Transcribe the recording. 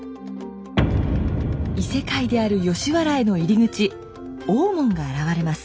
異世界である吉原への入り口大門が現れます。